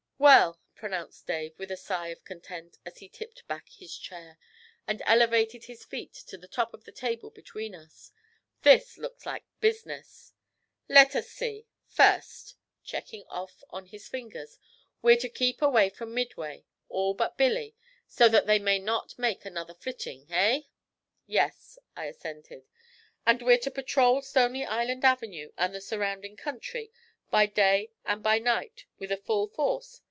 'Well,' pronounced Dave, with a sigh of content, as he tipped back his chair, and elevated his feet to the top of the table between us. 'This looks like business! Let us see! First,' checking off on his fingers, 'we're to keep away from Midway all but Billy so that they may not make another flitting, eh?' 'Yes,' I assented. 'And we're to patrol Stony Island Avenue and the surrounding country by day and by night, with a full force.